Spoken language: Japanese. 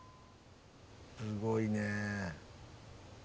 すごいね。